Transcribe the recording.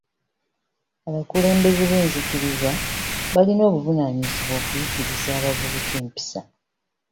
Abakulembeze b'enzikiriza balina obuvunaanyizibwa okuyigiriza abavubuka empisa.